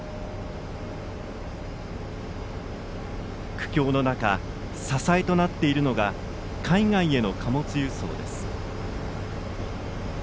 苦境の中、支えとなっているのが海外への貨物輸送です。